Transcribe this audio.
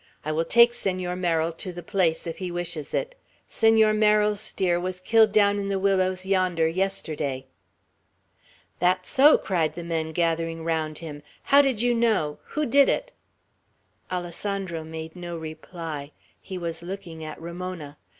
I will take Senor Merrill to the place, if he wishes it. Senor Merrill's steer was killed down in the willows yonder, yesterday." "That's so!" cried the men, gathering around him. "How did you know? Who did it?" Alessandro made no reply. He was looking at Ramona.